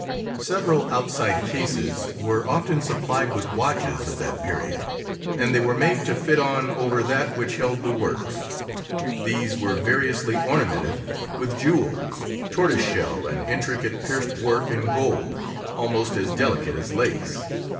Several outside cases were often supplied with watches of that period, and they were made to fit on over that which held the works; these were variously ornamented with jewels, tortoise shell and intricate pierced work in gold, almost as delicate as lace.